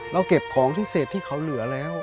เราเก็บของที่เสร็จที่เขาเหลือแล้ว